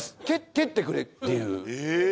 蹴ってくれっていうえー